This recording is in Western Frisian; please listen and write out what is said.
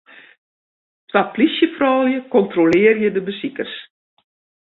Twa plysjefroulju kontrolearje de besikers.